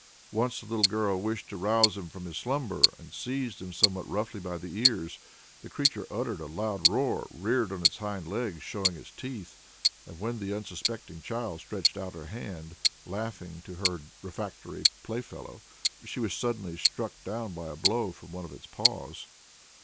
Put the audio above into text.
Once the little girl wished to rouse him from his slumber, and seized him somewhat roughly by the ears. The creature uttered a loud roar, reared on his hind legs, showing his teeth, and when the unsuspecting child stretched out her hand, laughing to her refractory playfellow, she was suddenly struck down by a blow from one of its paws.